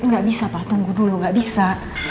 gak bisa pak tunggu dulu gak bisa